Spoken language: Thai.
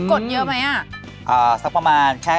กดเยอะไหมอ่ะ